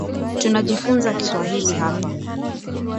Tunajifunza Kiswahili hapa